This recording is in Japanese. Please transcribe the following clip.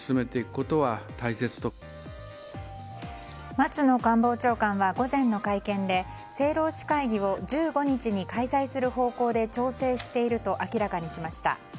松野官房長官は午前の会見で政労使会議を１５日に開催する方向で調整していると明らかにしました。